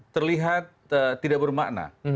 terlihat tidak bermakna